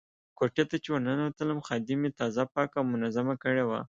کوټې ته چې ورننوتلم خادمې تازه پاکه او منظمه کړې وه.